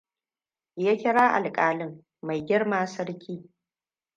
Ya kira alkalin 'Maigirma sarki'.